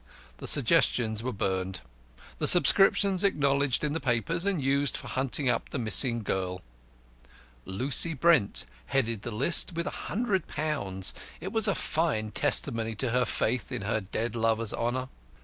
The suggestions were burnt, the subscriptions acknowledged in the papers and used for hunting up the missing girl. Lucy Brent headed the list with a hundred pounds. It was a fine testimony to her faith in her dead lover's honour.